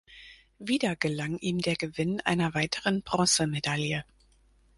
Wieder gelang ihm der Gewinn einer weiteren Bronzemedaille.